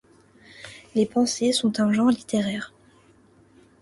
Les pensées sont un genre littéraire.